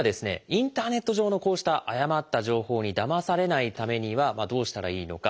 インターネット上のこうした誤った情報にだまされないためにはどうしたらいいのかこちらですね。